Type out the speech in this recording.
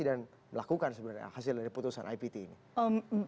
dan melakukan sebenarnya hasil dari putusan ipt ini